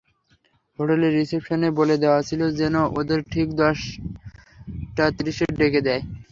হোটেলের রিসেপশনে বলে দেওয়া ছিল যেন ওদের ঠিক দশটা তিরিশে ডেকে দেয়।